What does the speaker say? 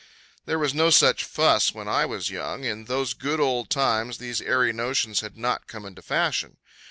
There was no such fuss when I was young; in those good old times these airy notions had not come into fashion.